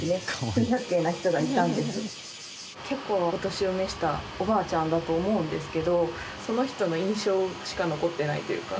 結構お年を召したおばあちゃんだと思うんですけどその人の印象しか残ってないというか。